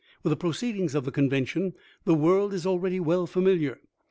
With the proceedings of the convention the world is already well familiar.